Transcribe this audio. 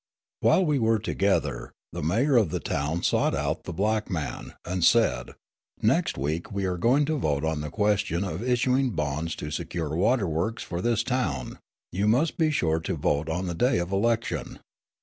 While we were together, the mayor of the town sought out the black man, and said, "Next week we are going to vote on the question of issuing bonds to secure water works for this town; you must be sure to vote on the day of election."